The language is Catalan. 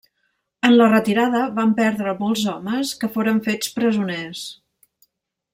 En la retirada van perdre molts homes que foren fets presoners.